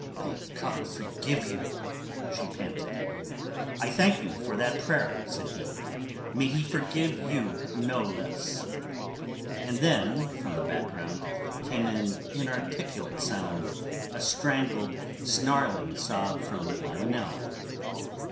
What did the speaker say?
"May God forgive you," she panted. "I thank you for that prayer," said he. "May He forgive you no less." And then from the background came an inarticulate sound, a strangled, snarling sob from Lionel.